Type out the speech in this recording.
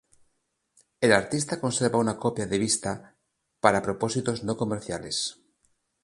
El artista conserva una copia de vista para propósitos no comerciales.